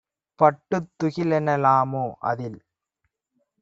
பட்டுத் துகிலென லாமோ? - அதில்